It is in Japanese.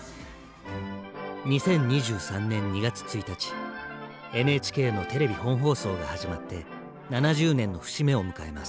２０２３年２月１日ＮＨＫのテレビ本放送が始まって７０年の節目を迎えます。